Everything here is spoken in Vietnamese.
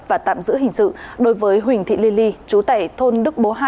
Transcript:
và tạm giữ hình sự đối với huỳnh thị ly ly chú tẻ thôn đức bố hai